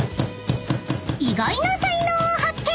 ［意外な才能を発見！］